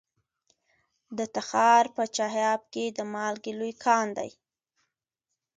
د تخار په چاه اب کې د مالګې لوی کان دی.